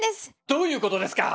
どういうことですか